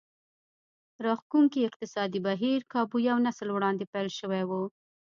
راښکوونکی اقتصادي بهير کابو یو نسل وړاندې پیل شوی و